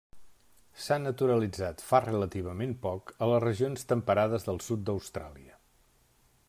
S'ha naturalitzat fa relativament poc a les regions temperades del sud d'Austràlia.